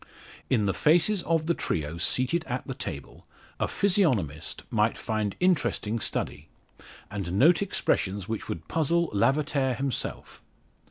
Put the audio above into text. In the faces of the trio seated at the table, a physiognomist might find interesting study, and note expressions that would puzzle Lavater himself.